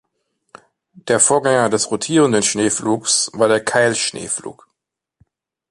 Der Vorgänger des rotierenden Schneepflugs war der Keilschneepflug.